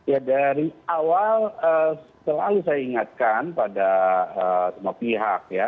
ya dari awal selalu saya ingatkan pada semua pihak ya